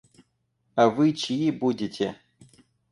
А вы чьи будете?..